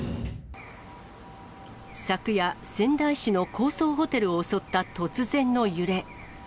昨夜、仙台市の高層ホテルを襲った突然の揺れ。